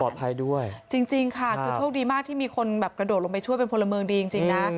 ปลอดภัยด้วยจริงค่ะคุณโชคดีมากที่มีคนกระโดดลงไปช่วยเป็นพลเมืองดีจริงนะ